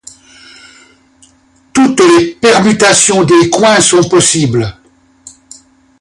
Toutes les permutations des coins sont possibles.